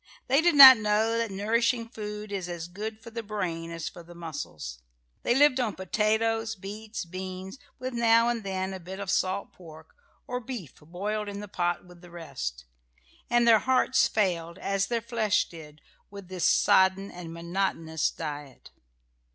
They did not know that nourishing food is as good for the brain as for the muscles. They lived on potatoes, beets, beans, with now and then a bit of salt pork or beef boiled in the pot with the rest; and their hearts failed, as their flesh did, with this sodden and monotonous diet.